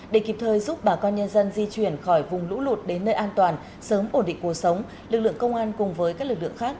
để kịp thời giúp bà con nhân dân di chuyển khỏi vùng lũ lụt đến nơi an toàn sớm ổn định cuộc sống lực lượng công an cùng với các lực lượng khác